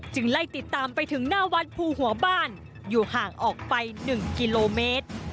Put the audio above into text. ไล่ติดตามไปถึงหน้าวัดภูหัวบ้านอยู่ห่างออกไป๑กิโลเมตร